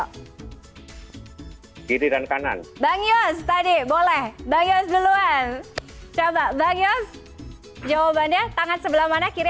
kiri dan kanan bang yus tadi boleh bang yus duluan coba bang yus jawabannya tangan sebelah mana kiri